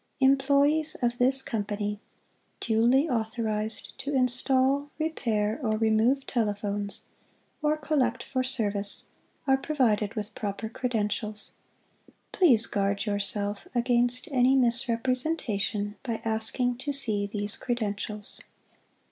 Employees of this Company, duly authorized to install, repair or remove telephones, or collect for service, are provided with proper credentials. Please guard yourself against any misrepresentation by asking to see these credentials.